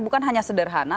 bukan hanya sederhana